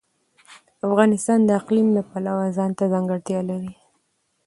افغانستان د اقلیم د پلوه ځانته ځانګړتیا لري.